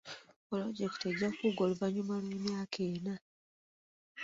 Pulojekiti ejja kuggwa oluvannyuma lw'emyaka ena.